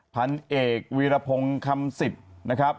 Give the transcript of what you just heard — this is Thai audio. พันธุ์เอกวีรพงศ์คำสิบ